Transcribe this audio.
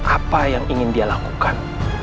apa yang ingin dia lakukan